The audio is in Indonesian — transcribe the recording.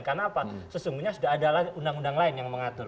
karena apa sesungguhnya sudah ada undang undang lain yang mengatur